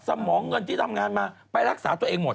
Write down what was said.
สมองเงินที่ทำงานมาไปรักษาตัวเองหมด